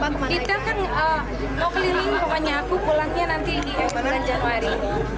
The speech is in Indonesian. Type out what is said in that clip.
detail kan mau keliling pokoknya aku pulangnya nanti di bulan januari